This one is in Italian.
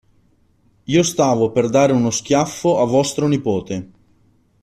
Io stavo per dare uno schiaffo a vostro nipote.